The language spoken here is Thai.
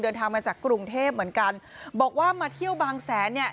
เดินทางมาจากกรุงเทพเหมือนกันบอกว่ามาเที่ยวบางแสนเนี่ย